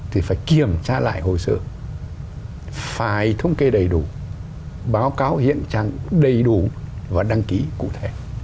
thì phải kiểm tra lại hồ sơ phải thống kê đầy đủ báo cáo hiện trạng đầy đủ và đăng ký cụ thể